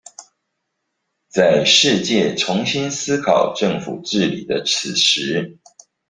在世界重新思考政府治理的此時